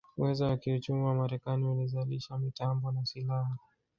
Uwezo wa kiuchumi wa Marekani ulizalisha mitambo na silaha